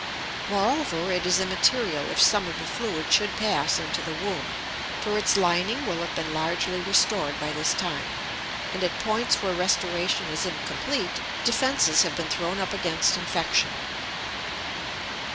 Moreover, it is immaterial if some of the fluid should pass into the womb, for its lining will have been largely restored by this time, and at points where restoration is incomplete defenses have been thrown up against infection.